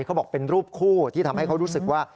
เขาบอกเป็นรูปคู่ที่ทำให้เขารู้สึกว่า